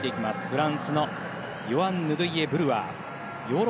フランスのヨアン・ヌドイェ・ブルアー。